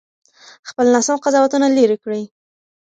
خپل ناسم قضاوتونه لرې کړئ.